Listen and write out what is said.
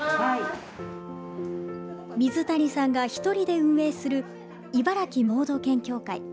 水谷さんが１人で運営するいばらき盲導犬協会。